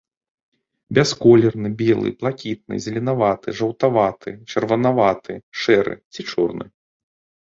Бясколерны, белы, блакітны, зеленаваты, жаўтаваты, чырванаваты, шэры ці чорны.